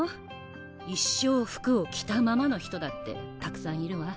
一生服を着たままの人だってたくさんいるわ。